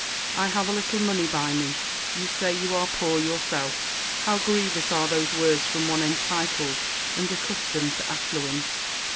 I have a little money by me. You say you are poor yourself.—How grievous are those words from one entitled and accustomed to affluence!